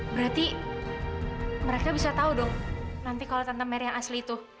berarti mereka bisa tau dong nanti kalau tante mary yang asli itu